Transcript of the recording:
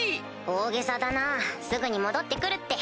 大げさだなぁすぐに戻って来るって。